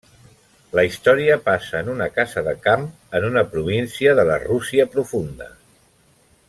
La història passa en una casa de camp en una província de la Rússia profunda.